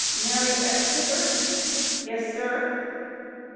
Q. Mary S. Hibbard? A. Yes, sir.